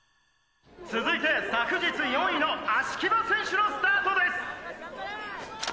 続いて昨日４位の葦木場選手のスタートです。